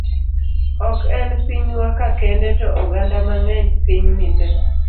Ok en pinywa ka kende to oganda mang'eny piny ni tee